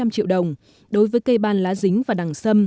năm trăm linh triệu đồng đối với cây ban lá dính và đẳng sâm